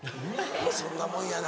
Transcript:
そんなもんやな。